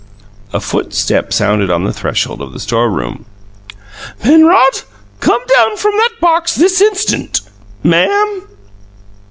A footstep sounded on the threshold of the store room. "Penrod, come down from that box this instant!" "Ma'am?"